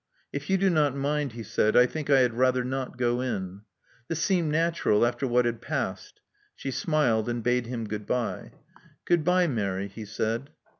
'*If you do not mind," he said, '*I think I had rather not go in." This seemed natural after what had passed. She smiled, and bade him goodbye. Goodbye, Mary," he said.